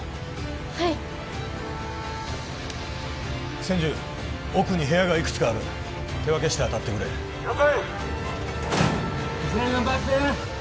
はい千住奥に部屋がいくつかある手分けして当たってくれ了解